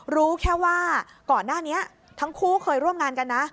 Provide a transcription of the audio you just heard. รู้แค่ว่าก่อนหน้านี้ทั้งคู่เคยร่วมงานกันนะ